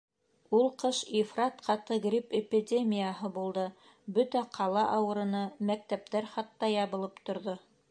Ул ҡыш ифрат ҡаты грипп эпидемияһы булды, бөтә «ҡала» ауырыны, мәктәптәр хатта ябылып торҙо.